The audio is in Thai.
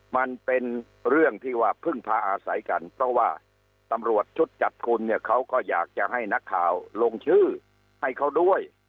มันเป็นเรื่องที่ว่าพึ่งพาอาศัยกันเพราะว่าตำรวจชุดจัดคุณเนี่ยเขาก็อยากจะให้นักข่าวลงชื่อให้เขาด้วย